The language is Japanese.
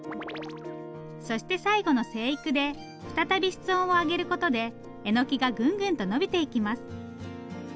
そして最後の「生育」で再び室温を上げることでえのきがぐんぐんと伸びていきます。